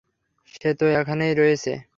সে তো এখানেই রয়েছে।